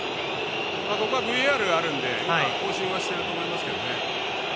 ＶＡＲがあるので更新はしていると思います。